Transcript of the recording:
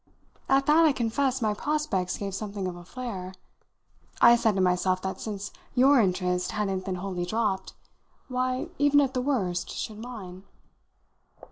At that, I confess, my prospects gave something of a flare. I said to myself that since your interest hadn't then wholly dropped, why, even at the worst, should mine?